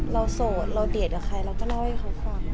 เราสวดเราเดทกับใครนั้นก็เล่าให้เค้าฟัง